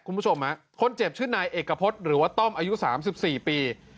คุณผู้ชมฮะคนเจ็บชื่อนายเอกพรตหรือว่าต้อมอายุสามสิบสี่ปี